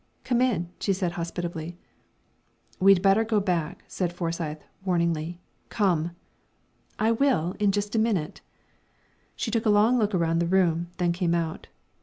"Come in," she said hospitably. "We'd better go back," said Forsyth, warningly. "Come!" "I will, in just a minute." She took a long look about the room, then came out.